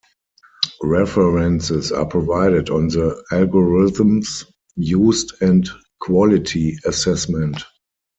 References are provided on the algorithms used and quality assessment.